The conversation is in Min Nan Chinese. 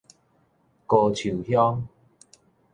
高樹鄉